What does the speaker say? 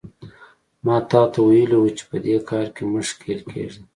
ما تاته ویلي وو چې په دې کار کې مه ښکېل کېږه.